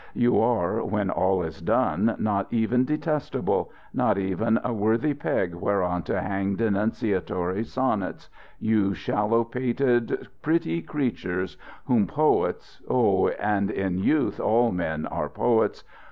You are, when all is done, not even detestable, not even a worthy peg whereon to hang denunciatory sonnets, you shallow pated pretty creatures whom poets oh, and in youth all men are poets!